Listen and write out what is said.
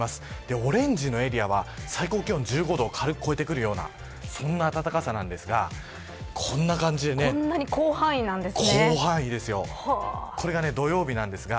オレンジのエリアは、最高気温１５度を超えてくるようなそんな暖かさですがこんなに広範囲なんですね。